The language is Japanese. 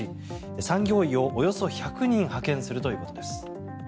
産業医をおよそ１００人派遣するということです。